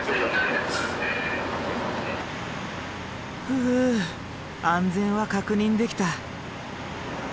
ふぅ安全は確認できた。